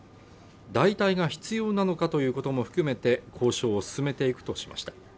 代替が必要なのかということも含めて交渉を進めていくとしました。